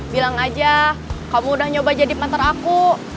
bilang aja kamu udah nyoba jadi manter aku